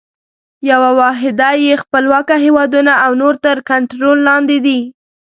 یوه واحده یې خپلواکه هیوادونه او نور تر کنټرول لاندي دي.